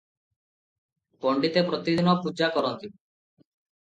ପଣ୍ତିତେ ପ୍ରତିଦିନ ପୂଜା କରନ୍ତି ।